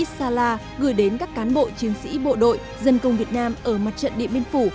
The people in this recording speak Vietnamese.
sala gửi đến các cán bộ chiến sĩ bộ đội dân công việt nam ở mặt trận điện biên phủ